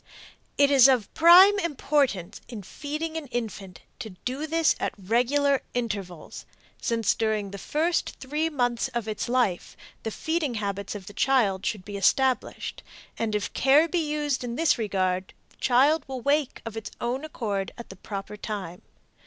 It is of prime importance in feeding an infant to do this at regular intervals, since during the first three months of its life the feeding habits of the child should be established, and if care be used in this regard the child will wake of its own accord at the proper time.